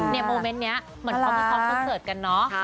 โมเมนต์นี้เหมือนเขามีซ้อมคอนเสิร์ตกันเนอะ